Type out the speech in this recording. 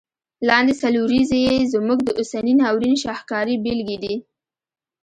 لاندي څلوریځي یې زموږ د اوسني ناورین شاهکاري بیلګي دي.